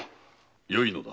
よいのだ。